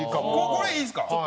これいいですか？